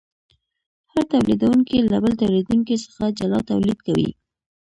هر تولیدونکی له بل تولیدونکي څخه جلا تولید کوي